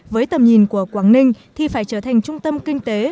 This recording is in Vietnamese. với tầm nhìn của quảng ninh thì phải trở thành trung tâm kinh tế